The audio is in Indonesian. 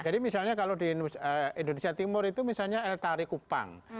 jadi misalnya kalau di indonesia timur itu misalnya el tarikupang